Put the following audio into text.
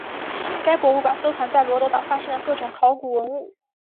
该博物馆收藏在罗得岛发现的各种考古文物。